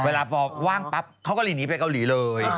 เวลาพอว่างปั๊บเขาก็เลยหนีไปเกาหลีเลย